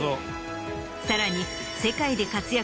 さらに。